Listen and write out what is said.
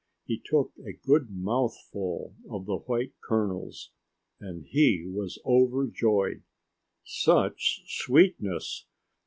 He took a good mouthful of the white kernels, and he was overjoyed. Such sweetness!